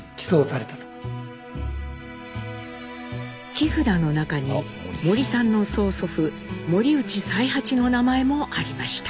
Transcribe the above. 木札の中に森さんの曽祖父森内才八の名前もありました。